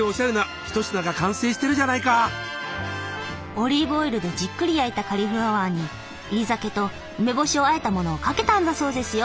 オリーブオイルでじっくり焼いたカリフラワーに煎り酒と梅干しをあえたものをかけたんだそうですよ。